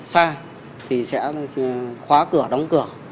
xa thì sẽ khóa cửa đóng cửa